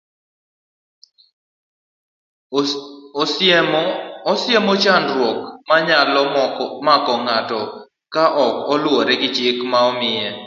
Osiemo chandruok manyalo mako ng'ato ka ok oluwore gi chik ma omiye.